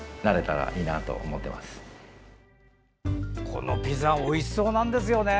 このピザおいしそうなんですよね！